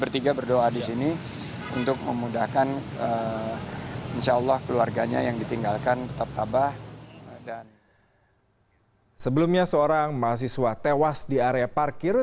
tidak ada yang mau berpikir